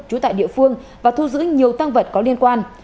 trú tại địa phương và thu giữ nhiều tăng vật có liên quan